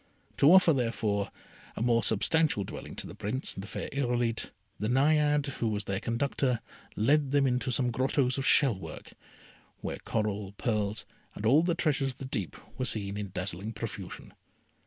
To offer, therefore, a more substantial dwelling to the Prince and the fair Irolite, the Naiade who was their conductor led them into some grottoes of shell work, where coral, pearls, and all the treasures of the deep, were seen in dazzling profusion.